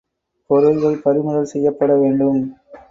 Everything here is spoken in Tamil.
பொருள்கள் பறிமுதல் செய்யப்பட வேண்டும்.